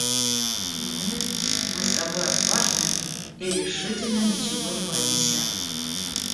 Мы...мы с тобой отважные и решительно ничего не боимся!